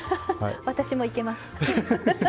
私もいけます。